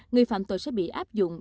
người phạm tội sẽ bị áp dụng